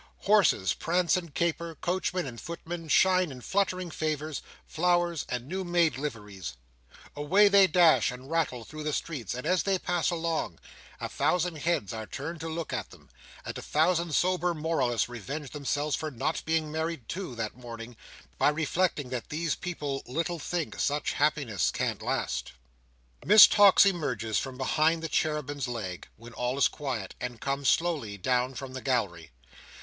Horses prance and caper; coachmen and footmen shine in fluttering favours, flowers, and new made liveries. Away they dash and rattle through the streets; and as they pass along, a thousand heads are turned to look at them, and a thousand sober moralists revenge themselves for not being married too, that morning, by reflecting that these people little think such happiness can't last. Miss Tox emerges from behind the cherubim's leg, when all is quiet, and comes slowly down from the gallery.